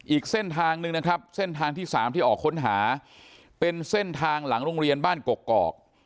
อีกเส้นทางหนึ่งนะครับเส้นทางที่๓ที่ออกค้นหาเป็นเส้นทางหลังโรงเรียนบ้านกกอก